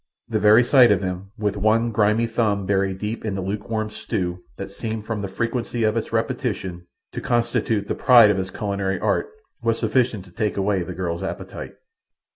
The very sight of him with one grimy thumb buried deep in the lukewarm stew, that seemed, from the frequency of its repetition, to constitute the pride of his culinary art, was sufficient to take away the girl's appetite.